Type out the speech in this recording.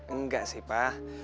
enggak sih pa